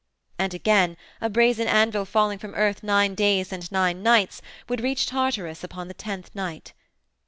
And again, a brazen anvil falling from Earth nine nights and nine days would reach Tartarus upon the tenth night.